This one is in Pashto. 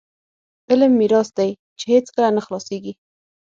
علم میراث دی چې هیڅکله نه خلاصیږي.